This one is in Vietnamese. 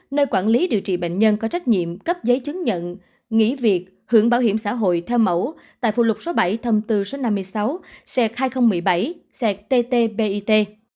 nơi quản lý điều trị bệnh nhân có trách nhiệm cấp giấy chứng nhận nghỉ việc hưởng bảo hiểm xã hội theo mẫu tại phụ lục số bảy thông tư số năm mươi sáu c hai nghìn một mươi bảy ctt bit